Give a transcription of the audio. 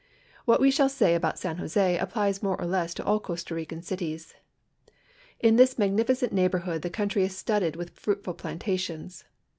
W'iiat we shall say about San Jose applies more or less to all Costa Rican cities. In this magnificent neighl)orhood the country is studded with fruitful plantations.